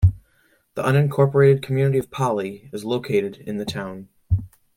The unincorporated community of Polley is located in the town.